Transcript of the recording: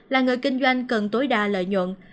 là người kinh doanh cần tối đa lợi nhuận